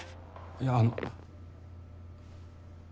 いやあの。